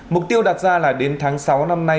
mục tiêu đặt ra là đến tháng sáu năm nay